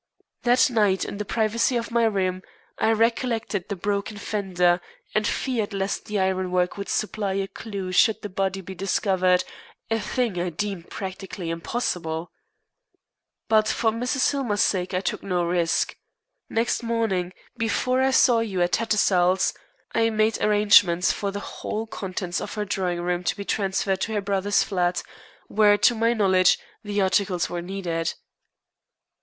That night, in the privacy of my room, I recollected the broken fender, and feared lest the ironwork would supply a clue should the body be discovered, a thing I deemed practically impossible. But, for Mrs. Hillmer's sake, I took no risk. Next morning, before I saw you at Tattersall's, I made arrangements for the whole contents of her drawing room to be transferred to her brother's flat, where, to my knowledge, the articles were needed.